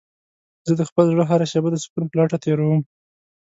زه د خپل زړه هره شېبه د سکون په لټه تېرووم.